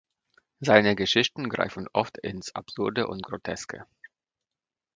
Seine Geschichten greifen oft ins Absurde und Groteske.